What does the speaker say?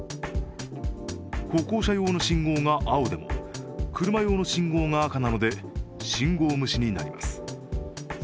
歩行者用の信号が青でも、車用の信号が赤なので信号無視になります。